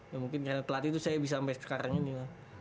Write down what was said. ya mungkin karena telat itu saya bisa sampai sekarang ini lah